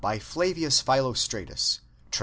59 FLAVIUS PHILOSTRATUS CAP.